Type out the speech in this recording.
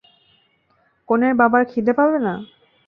কনের বাবার খিদে পাবে না?